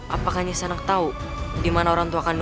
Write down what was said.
apakah nyisa anak tahu di mana orang tua kandungku